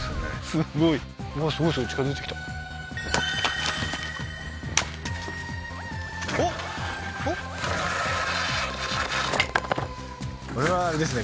すごいすごいすごい近づいてきたおっおっこれはあれですね